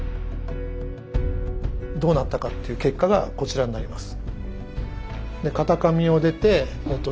どうなったのかという結果がこちらになります。